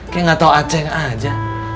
kayak gak tau aceh aja